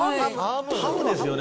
ハムですよね？